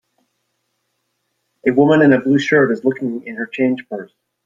A woman in a blue shirt is looking in her change purse.